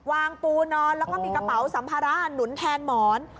วางปูนอนแล้วก็มีกระเป๋าสัมภาระหนุนแทนหมอน